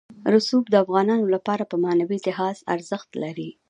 رسوب د افغانانو لپاره په معنوي لحاظ ارزښت لري.